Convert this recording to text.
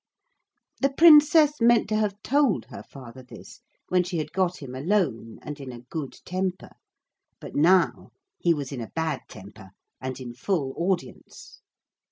The Princess meant to have told her father this when she had got him alone and in a good temper. But now he was in a bad temper, and in full audience.